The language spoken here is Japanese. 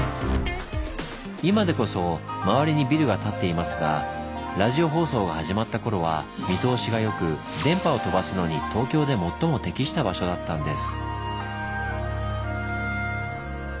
今でこそ周りにビルが建っていますがラジオ放送が始まった頃は見通しがよく電波を飛ばすのに東京で最も適した場所だったんです。